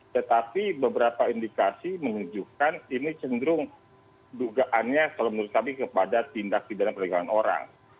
tetapi beberapa indikasi menunjukkan ini cenderung dugaannya kalau menurut kami kepada tindak pidana perdagangan orang